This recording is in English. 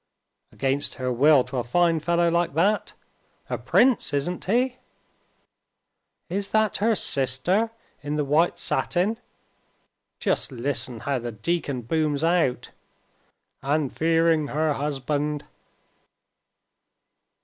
"Against her will to a fine fellow like that? A prince, isn't he?" "Is that her sister in the white satin? Just listen how the deacon booms out, 'And fearing her husband.